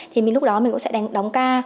thì lúc đó mình cũng sẽ đóng ca